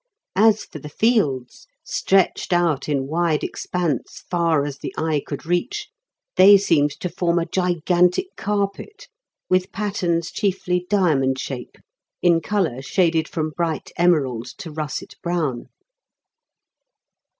As for the fields stretched out in wide expanse, far as the eye could reach, they seemed to form a gigantic carpet, with patterns chiefly diamond shape, in colour shaded from bright emerald to russet brown.